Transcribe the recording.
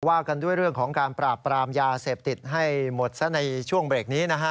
ว่ากันด้วยเรื่องของการปราบปรามยาเสพติดให้หมดซะในช่วงเบรกนี้นะฮะ